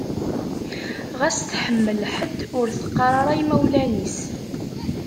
Ɣas tḥemmel ḥedd, ur teqqar ara i imawlan-is.